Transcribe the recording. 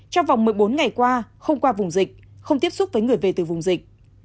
trong vòng một mươi bốn ngày qua không qua vùng dịch không tiếp xúc với người về từ vùng dịch